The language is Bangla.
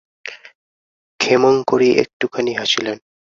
ক্ষেমংকরী একটুখানি হাসিলেন।